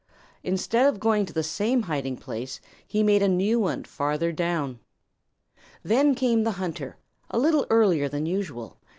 Instead of going to the same hiding place he made a new one farther down. Then came the hunter a little earlier than usual.